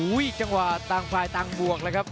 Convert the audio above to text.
โอ้โหจังหวะต่างฟ้ายต่างบวกเลยครับ